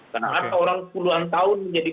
karena ada orang puluhan tahun menjadi